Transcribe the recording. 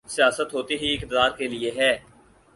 سیاست ہوتی ہی اقتدار کے لیے ہے۔